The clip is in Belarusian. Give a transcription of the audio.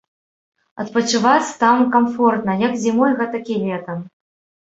Адпачываць там камфортна, як зімой, гэтак і летам.